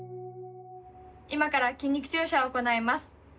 今から筋肉注射を行います。